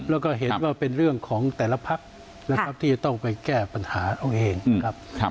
แล้วก็เห็นว่าเป็นเรื่องของแต่ละพักนะครับที่จะต้องไปแก้ปัญหาเอาเองครับ